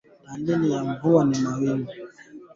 Dalili za ugonjwa kwa mnyama aliyekufa